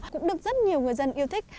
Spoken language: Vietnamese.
cũng được rất nhiều người dân yêu thích